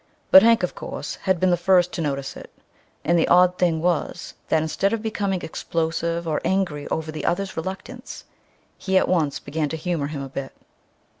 But Hank, of course, had been the first to notice it, and the odd thing was that instead of becoming explosive or angry over the other's reluctance, he at once began to humor him a bit.